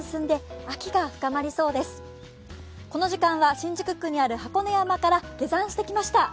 新宿区にある箱根山から下山してきました。